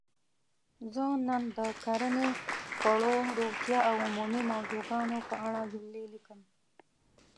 زه نن د کرنې ؛ خوړو؛ روغتیااو عمومي موضوع ګانو په اړه جملې لیکم.